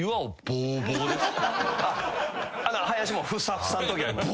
林もフサフサのときあります。